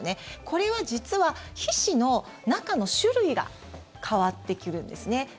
これは実は皮脂の中の種類が変わってくるんですね。